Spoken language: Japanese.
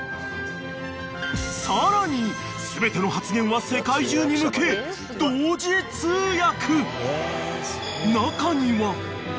［さらに全ての発言は世界中に向け同時通訳］